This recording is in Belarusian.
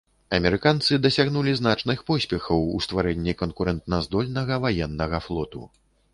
Амерыканцы дасягнулі значных поспехаў у стварэнні канкурэнтназдольнага ваеннага флоту.